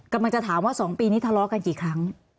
กำลังจะถามว่า๒ปีนี้ทะเลาะกันกี่ครั้ง